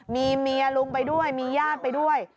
มีเมียลุงไปด้วยมีญาติไปด้วย